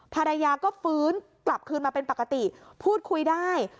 ภรรยาก็ฟื้นกลับคืนมาเป็นปกติพูดคุยได้